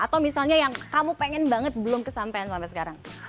atau misalnya yang kamu pengen banget belum kesampean sampai sekarang